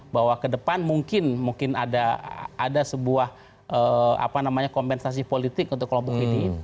bahwa ke depan mungkin ada sebuah kompensasi politik untuk kelompok ini